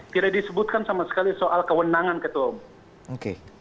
tidak disebutkan sama sekali soal kewenangan ketua umum